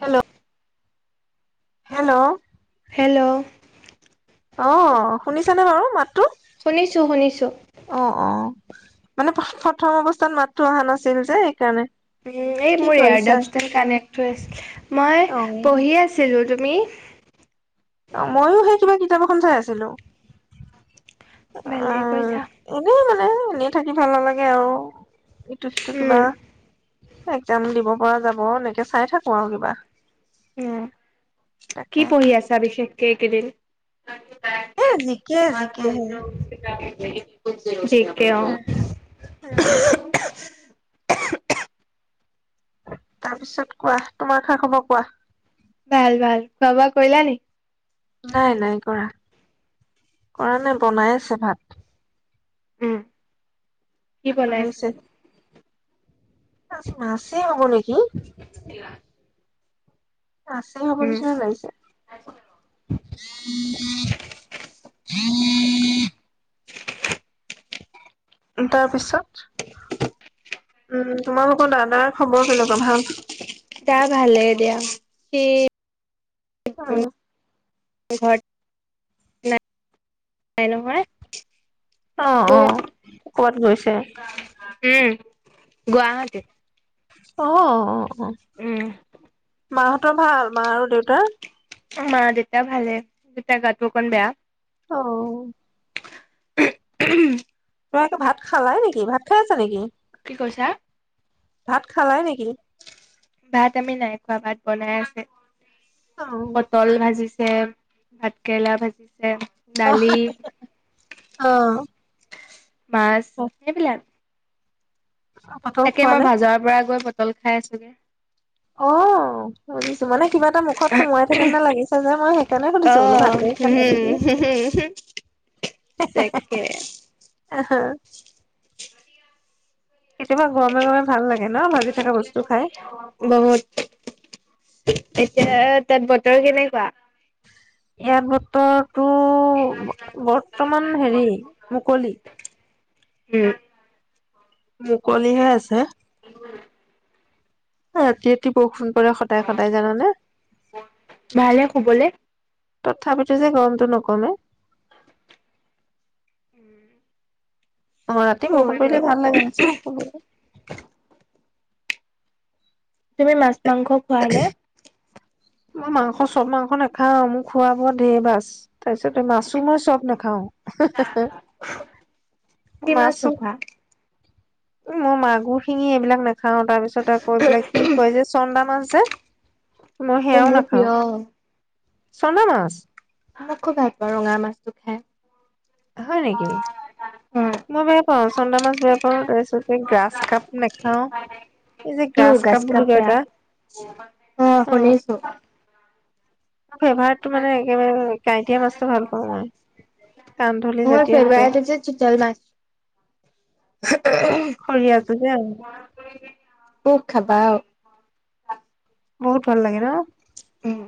Hello. Hello'- hello'- অ শুনিছানে বাৰু মাত শুনিছোঁ শুনিছোঁ। অ মানে প্ৰথম অৱস্থাত মাতটো অহা নাছিল যে সেইকাৰণে। উ এই কি মোৰ কৰিছা এয়াৰ [inaudible] কানেক্ট হৈ আছিল, মই অ পঢ়িয়ে আছিলো কি [unintelligible] খন চাই আছিলো। আ ভালে কৈছা এনেই মানে- এনেই থাকি ভাল নালাগে আৰু। ইটো সটো কিবা উম একদাম দিব পৰা যাব এনেকে চাই থাকো আৰু কিবা। উম, কি তাকে পঢ়ি আছা বিশেষ এইকেইদিন। এ জিকে জিকেহে [unintelligible] জি কে, অ'। [unintelligible] তাৰ পিছত কোৱা, তোমাৰ খা খবৰ কোৱা? ভাল-ভাল, খোৱা বোৱা কৰিলা নি? নাই-নাই কৰা, কৰা নাই বনাই আছে ভাত। উম। কি বনাইছে? আজি মাছেই হ'ব নে [inaudible] মাছেই হ'ব উম নিচিনা লাগিছে। [inaudible] তাৰ পিছত? উম। তোমালোকৰ দাদাৰ খবৰ কেনেকুৱা? ভাল? দা ভালে দিয়া, সি [unintelligible] [unintelligible] [unintelligible] নহয়। অ', অ', ক'বাত গৈছে? উম গুৱাহাটীত। অ'। উম। মাহঁতৰ ভাল? মা আৰু দেউতাৰ? অ', মা-দেতা ভালেই, দেতাৰ গাটো অকন বেয়া। অ'। তোমালোকে ভাত খালাই নেকি? ভাত খাই আছা নেকি? কি কৈছা? ভাত খালাই নেকি? ভাত আমি নাই খোৱা, ভাত বনাই আছে। অ পটল ভাজিছ [unintelligible] ভাত-কেৰেলা ভাজিছ [unintelligible] অহ দালি। মাছ অ এইবিলাক। পাতল তাকে খোৱা মই নাই ভাজাৰ পৰা গৈ প [unintelligible] খাই [unintelligible] অ' বুজিছো। মানে কিবা এটা মুখত সোমোৱাই থাকা যেন লাগিছে যে, মই সেইকাৰণে অ সুধিছোঁ বোলো, উম ভাতেই খালে নেকি। তাকে আহাঁ। কেতিয়াবা গৰমে গৰমে ভাল লাগে, ন? ভাজি থকা বস্তু খাই। এতিয়াহে, তাত বতৰ কেনেকুৱা? ইয়াত বতৰ টোৰ বৰ্তমান- হেৰি মুকলি। উম। মুকলিহৈ আছে। এ, ৰাতি ৰাতি বৰষুণ কৰে সদায়-সদায়, জানানে? ভালে শুবলে তথাপিতে যে, গ-অমটো নকমে। হম। অ', ৰাতি বৰষুণ পৰিলে ভাল লাগে, অৱশ্যে। তুমি মাছ, মাংস খোৱা নে? মই মাংস চব মাংস নাখাওঁ। মোৰ খোৱা বোৱা ঢেৰ বাছ। তাৰছতে মাছো মই চব নাখাওঁ। কি মাছ মাছো নোখোৱা উ, মই মাগুৰ, শিঙি এইবিলাক না খাওঁ। তাৰ পিছত, আকৌ এইবিলাক কি কয় যে, চন্দা মাছ [unintelligible] অ', সেয়াও মোৰ নাখাও প্ৰিয়। চন্দা মাছ? আমাক খুব ভাল পাওঁ, ৰঙা মাছটো খাই। হয় নেকি? হয় মই মনে [unintelligible] চন্দা মাছ, [unintelligible] তাৰছতে, গ্ৰাছ কাপ নাখাওঁ। এই যে গ্ৰাছ উগাছ কাপ বুলি কয়, কাপৰা এটা। অ'। [unintelligible] ফেভাৰটটো মানে একেবাৰে, কাঁইতীয়া মাছটো ভাল পাওঁ, মই। কান্ধলি মোৰ জাতীয়, ফেভাৰেট এনেকুৱাই, হৈছে চিতল মাছ [unintelligible] খৰিয়াটো যে [unintelligible] উস, খাবা আও। বহুত ভাল লাগে ন? উম।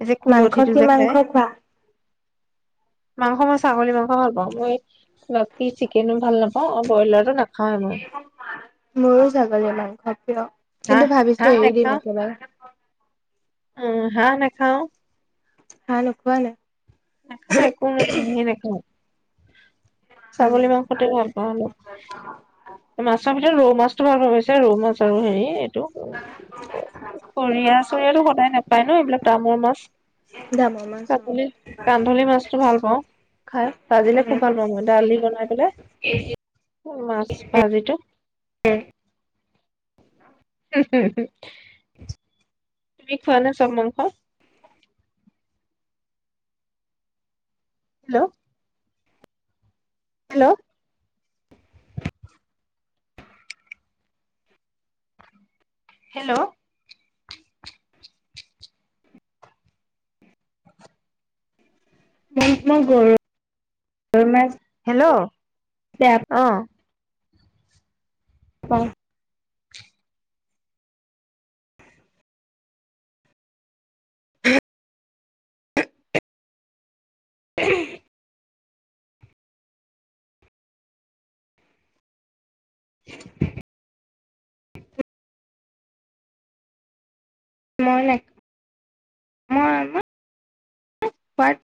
এই যে মাংস, কুলঠিটো কি যে মাংস খাই খোৱা? মাংস, মই ছাগলী মাংস ভাল পাওঁ। মই বাকী চিকেনো ভাল নাপাওঁ আৰু বইলাৰ নাখ [inaudible] মোৰো ছাগলী মাংস প্ৰিয়। হাঁহ কিন্তু ভাবিছো এৰি দিম একেবাৰে। অঁ, হাঁহ নেখাওঁ। [unintelligible] নেখায়, একো নাখাওঁ হি নাখাওঁ উম ছাগলী মাংসতে ভাল পাওঁ অলপ, মাছৰ এ ৰৌ মাছটো [unintelligible] ৰৌ মাছ আৰু হেৰি, এইটো সৰিয়া চৰিয়াতটো সদায় নাপায় ন, এইবিলাক টাও ম- মছ [unintelligible] মাছ, অ'। কান্ধলি মাছটো ভাল পাওঁ খাই, ভাজিলে খুব ভাল পাওঁ মই, দালি বনাই পেলাই মাছ ভাজিটো [inaudible] তুমি খোৱানে চব মাংস? হেল্ল' হেল্ল' হেল্ল' [unintelligible] মই গৰু হেল্ল', অ'। [inaudible] [unintelligible] [unintelligible] মই নাই, মই [inaudible]